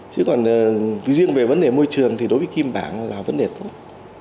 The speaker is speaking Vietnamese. chứ còn riêng về vấn đề môi trường thì đối với kim bảng là vấn đề tốt